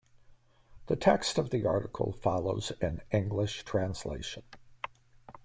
The text of the article follows in English translation.